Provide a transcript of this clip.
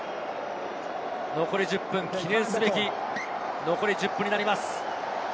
残り１０分、記念すべき、残り１０分になります。